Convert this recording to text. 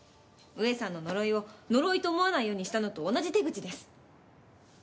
上さんの呪いを呪いと思わないようにしたのと同じ手口です。